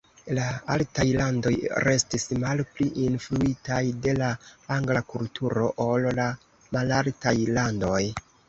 La altaj landoj restis malpli influitaj de la angla kulturo ol la malaltaj landoj.